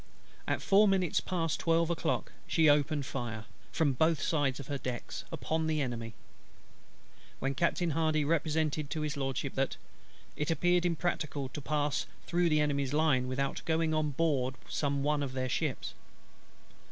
At four minutes past twelve o'clock she opened her fire, from both sides of her decks, upon the Enemy; when Captain HARDY represented to His LORDSHIP, that "it appeared impracticable to pass through the Enemy's line without going on board some one of their ships."